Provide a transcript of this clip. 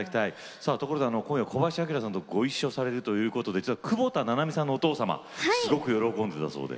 さあところで今夜小林旭さんとご一緒されるということで窪田七海さんのお父様すごく喜んでたそうで。